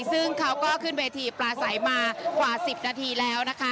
ซึ่งเขาก็ขึ้นเวทีปลาใสมากว่า๑๐นาทีแล้วนะคะ